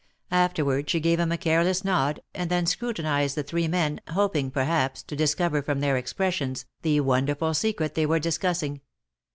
Afterward she gave him a careless nod, and then scrutinized the three men, hoping, perhaps, to discover from their expressions, the wonderful secret they were discussing.